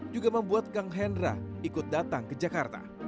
juga membuat kang hendra ikut datang ke jakarta